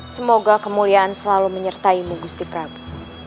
semoga kemuliaan selalu menyertai mu gusti prabu